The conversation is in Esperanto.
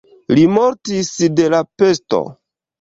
Li mortis de la pesto.